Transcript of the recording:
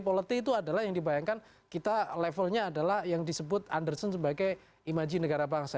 politi itu adalah yang dibayangkan kita levelnya adalah yang disebut underson sebagai imaji negara bangsa